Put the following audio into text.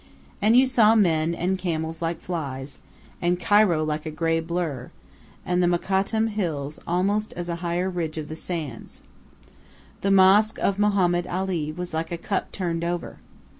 And you saw men and camels like flies, and Cairo like a grey blur, and the Mokattam hills almost as a higher ridge of the sands. The mosque of Mohammed Ali was like a cup turned over.